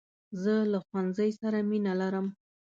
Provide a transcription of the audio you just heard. زه له ښوونځۍ سره مینه لرم .